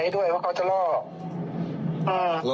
ค้านอยู่เมื่อไหร่พี่ค้านเมื่อไหร่เนี้ยครับพี่เออเขียนให้จบซ้า